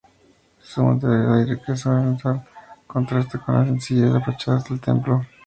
Su monumentalidad y riqueza ornamental contrasta con la sencillez de las fachadas del templo.